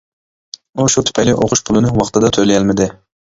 ئۇ شۇ تۈپەيلى ئوقۇش پۇلىنى ۋاقتىدا تۆلىيەلمىدى.